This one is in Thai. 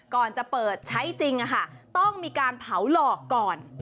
ก่อนจะเปิดใช้จริงต้องมีการเผาหลอกก่อน